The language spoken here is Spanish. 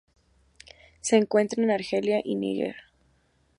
Se encuentra en Argelia y Níger.